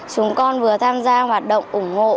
chúng con vừa tham gia hoạt động ủng hộ